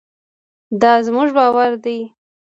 دا زموږ باور دی.